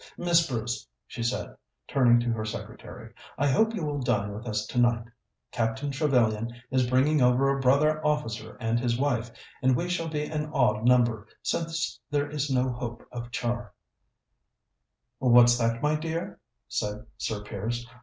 "Miss Bruce," she said, turning to her secretary, "I hope you will dine with us tonight. Captain Trevellyan is bringing over a brother officer and his wife, and we shall be an odd number, since there is no hope of Char." "What's that, my dear?" said Sir Piers.